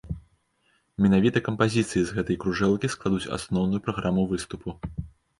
Менавіта кампазіцыі з гэтай кружэлкі складуць асноўную праграму выступу.